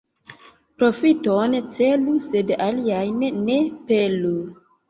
Profiton celu, sed aliajn ne pelu.